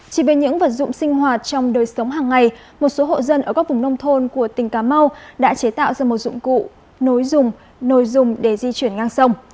chỉ về những vật dụng sinh hoạt trong đời sống hàng ngày một số hộ dân ở các vùng nông thôn của tỉnh cá mau đã chế tạo ra một dụng cụ nối dùng để di chuyển ngang sông